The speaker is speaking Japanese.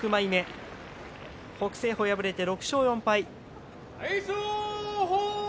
北青鵬は敗れて６勝４敗。